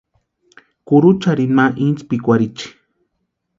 Kurucharini ma intsïpikwarhichi.